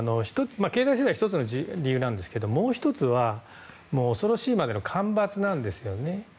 経済制裁は１つの理由なんですけどもう１つは、恐ろしいまでの干ばつなんですよね。